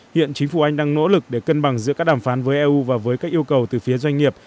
hiện chính phủ anh đang nỗ lực để cân bằng giữa các đàm phán với eu và với các yêu cầu từ phía doanh nghiệp